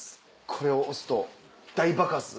これを押すと大爆発。